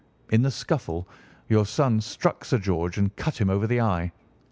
In the scuffle, your son struck Sir George and cut him over the eye.